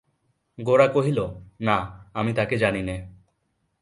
গোরা কহিল, না, আমি তাঁকে জানি নে।